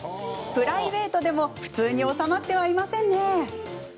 プライベートでも普通に収まってはいませんね。